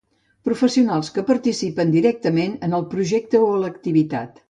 Professionals que participen directament en el projecte o l'activitat.